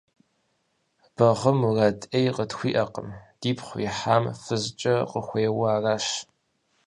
Багъым мурад Ӏей къытхуиӀэкъым, дипхъу ихьам фызкӀэ къыхуейуэ аращ.